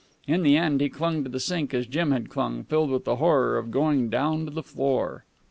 In the end, he clung to the sink as Jim had clung, filled with the horror of going down to the floor.